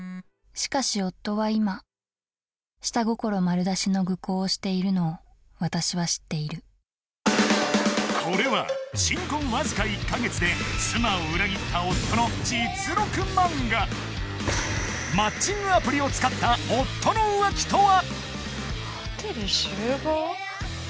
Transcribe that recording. しかし夫は今これは新婚わずか１か月で妻を裏切った夫の実録マンガマッチングアプリを使った夫の浮気とは？